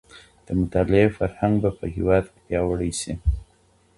د مطالعې فرهنګ به په هېواد کي پياوړی سي.